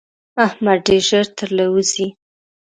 احمد ډېر ژر تر له وزي.